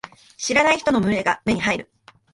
知らない人の群れが目に入る。